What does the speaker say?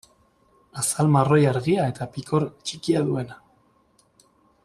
Azal marroi argia eta pikor txikia duena.